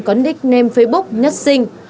có nickname facebook nhất sinh